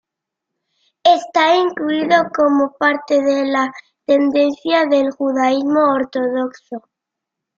Está incluida como parte de la tendencia del judaísmo ortodoxo.